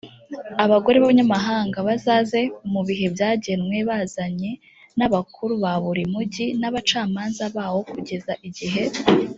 abagore b abanyamahanga bazaze mu bihe byagenwe bazanye n abakuru ba buri mugi n abacamanza bawo kugeza igihe